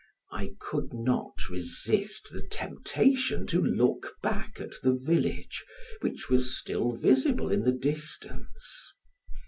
I could not resist the temptation to look back at the village which was still visible in the distance.